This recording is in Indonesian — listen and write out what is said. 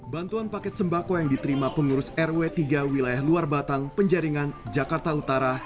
bantuan paket sembako yang diterima pengurus rw tiga wilayah luar batang penjaringan jakarta utara